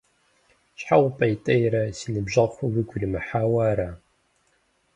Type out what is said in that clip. Щхьэ упӀейтейрэ, си ныбжьэгъухэр уигу иримыхьауэ ара?